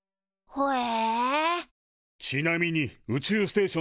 ほえ。